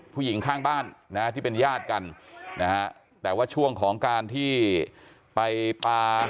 ผู้หญิงข้างบ้านนะฮะที่เป็นญาติกันนะฮะแต่ว่าช่วงของการที่ไปปลา